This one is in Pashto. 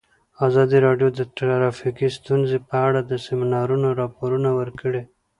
ازادي راډیو د ټرافیکي ستونزې په اړه د سیمینارونو راپورونه ورکړي.